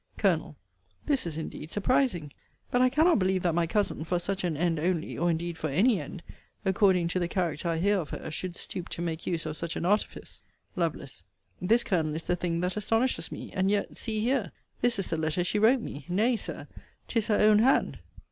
Col. This is indeed surprising. But I cannot believe that my cousin, for such an end only, or indeed for any end, according to the character I hear of her, should stoop to make use of such an artifice. Lovel. This, Colonel, is the thing that astonishes me; and yet, see here! This is the letter she wrote me Nay, Sir, 'tis her own hand.